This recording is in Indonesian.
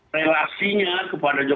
relaksinya kepada jokowi